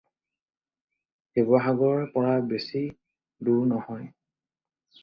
শিৱসাগৰৰ পৰা বেছি দূৰ নহয়।